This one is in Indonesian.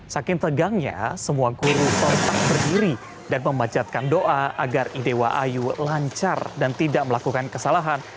saking tegangnya semua guru kontak berdiri dan memacatkan doa agar idewa ayu lancar dan tidak melakukan kesalahan